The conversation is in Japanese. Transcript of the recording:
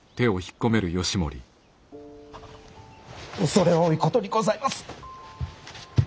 恐れ多いことにございます。